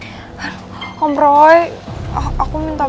nanti yang ada om roy beneran berpindah pihak lagi sama michelle